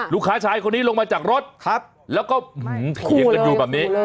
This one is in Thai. รุงค้าชายคนนี่ลงมาจากรถแล้วก็สามารถเคลียนกันอยู่แบบนี้